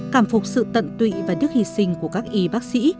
cảm phục sự tận tụy và đức hy sinh của các y bác sĩ